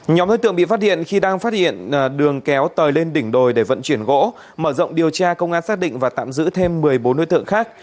nhóm đối tượng bị phát hiện khi đang phát hiện đường kéo tời lên đỉnh đồi để vận chuyển gỗ mở rộng điều tra công an xác định và tạm giữ thêm một mươi bốn đối tượng khác